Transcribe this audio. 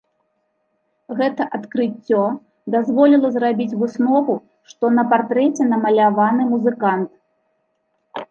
Гэта адкрыццё дазволіла зрабіць выснову, што на партрэце намаляваны музыкант.